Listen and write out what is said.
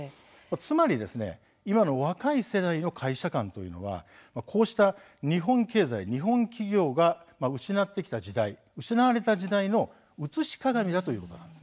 つまり今の若い世代の会社観はこうした日本経済、日本企業が失ってきた時代失われた時代の映し鏡だということです。